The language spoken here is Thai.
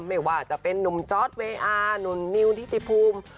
ไม่ว่าจะเป็นนุ่มจอร์ดเวอาร์หนุ่มนิวทิติภูมิ